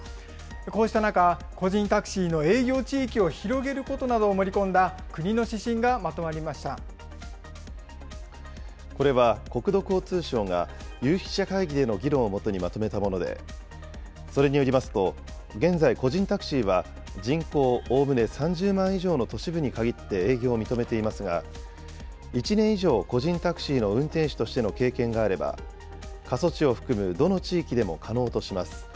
こうした中、個人タクシーの営業地域を広げることなどを盛り込んこれは国土交通省が、有識者会議での議論をもとにまとめたもので、それによりますと、現在、個人タクシーは人口おおむね３０万以上の都市部に限って営業を認めていますが、１年以上個人タクシーの運転手としての経験があれば、過疎地を含むどの地域でも可能とします。